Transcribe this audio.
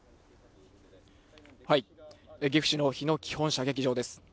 岐阜市の日野基本射撃場です。